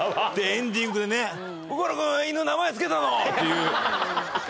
エンディングで、心君、犬、名前付けたのっていう。